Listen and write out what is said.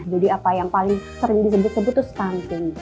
jadi apa yang paling sering disebut sebut tuh stunting